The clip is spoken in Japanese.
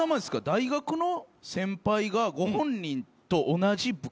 大学の先輩がご本人と同じ部活。